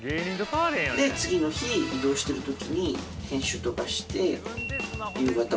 で次の日移動してる時に編集とかして夕方５時くらいに上げる。